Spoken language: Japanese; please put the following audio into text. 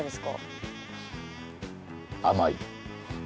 甘い。